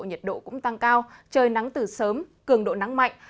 nhiệt độ cũng tăng cao trời nắng từ sớm cường độ nắng mạnh